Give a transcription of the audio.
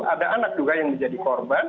ada anak juga yang menjadi korban